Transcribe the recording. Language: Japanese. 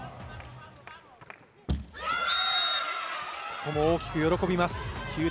ここれも大きく喜びます。